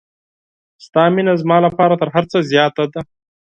ستا مینه زما لپاره تر هر څه زیاته ده.